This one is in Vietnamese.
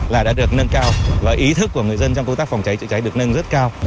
là đã được nâng cao và ý thức của người dân trong công tác phòng cháy chữa cháy được nâng rất cao